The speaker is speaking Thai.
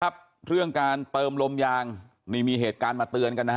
ครับเรื่องการเติมลมยางนี่มีเหตุการณ์มาเตือนกันนะฮะ